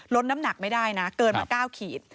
น้ำหนักไม่ได้นะเกินมา๙ขีด